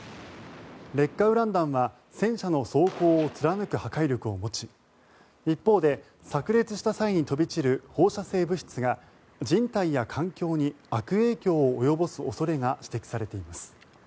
劣化ウラン弾は戦車の装甲を貫く破壊力を持ち一方で、さく裂した際に飛び散る放射性物質が人体や環境に悪影響を及ぼす恐れが指摘されています。